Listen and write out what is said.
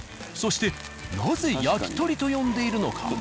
そしてなぜやきとりと呼んでいるのか？